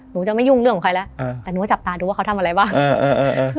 หนูจะไม่ยุ่งเรื่องของใครแล้วแต่หนูก็จับตาดูว่าเขาทำอะไรบ้าง